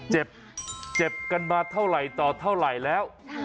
เจ็บเจ็บกันมาเท่าไหร่ต่อเท่าไหร่แล้ว